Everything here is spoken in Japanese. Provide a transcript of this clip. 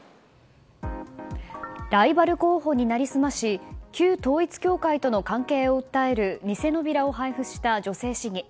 ライバル候補に成り済まし旧統一教会との関係を訴える偽のビラを配布した女性市議。